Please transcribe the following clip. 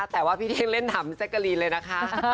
แต่ว่าพี่เท่งเล่นถามแจ๊กกะลีนเลยนะคะ